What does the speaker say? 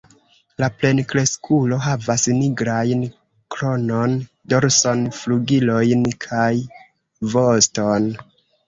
La plenkreskulo havas nigrajn kronon, dorson, flugilojn kaj voston.